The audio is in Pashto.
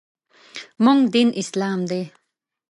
موږ دین اسلام دی .